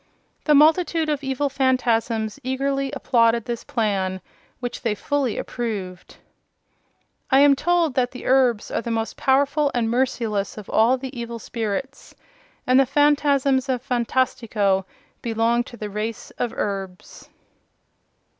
The multitude of evil Phanfasms eagerly applauded this plan, which they fully approved. I am told that the Erbs are the most powerful and merciless of all the evil spirits, and the Phanfasms of Phantastico belong to the race of Erbs.